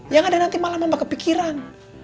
yang ada nanti malah mama kepikiran